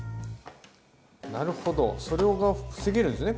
なるほどそれが防げるんですね。